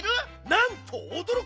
なんとおどろくなかれ。